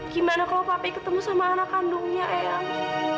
gimana kalau papi ketemu sama anak kandungnya eang